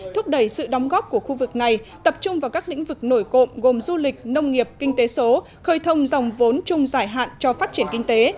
thúc đẩy sự đóng góp của khu vực này tập trung vào các lĩnh vực nổi cộng gồm du lịch nông nghiệp kinh tế số khơi thông dòng vốn chung giải hạn cho phát triển kinh tế